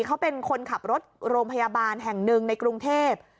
เขาเป็นคนขับรถโรงพยาบาลแห่งหนึ่งในกรุงเทพ